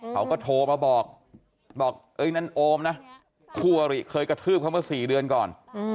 แบงค์ก็โทรมาบอกโอมนะคะรี่เคยกระทืบเขาเมื่อ๔เดือนก่อน